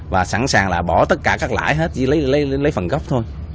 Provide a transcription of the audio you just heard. và sẵn sàng là bỏ tất cả các lãi hết lấy phần gốc thôi